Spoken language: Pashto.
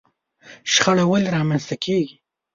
شخړه ولې رامنځته کېږي؟